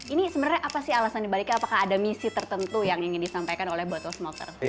ini sebenarnya apa sih alasan dibaliknya apakah ada misi tertentu yang ingin disampaikan oleh bottle smoker